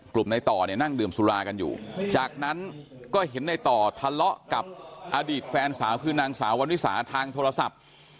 ในต่อเนี่ยนั่งดื่มสุรากันอยู่จากนั้นก็เห็นในต่อทะเลาะกับอดีตแฟนสาวคือนางสาววันวิสาทางโทรศัพท์